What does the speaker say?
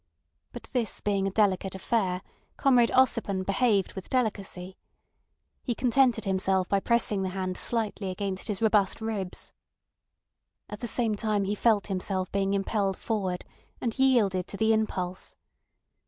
But this being a delicate affair, Comrade Ossipon behaved with delicacy. He contented himself by pressing the hand slightly against his robust ribs. At the same time he felt himself being impelled forward, and yielded to the impulse.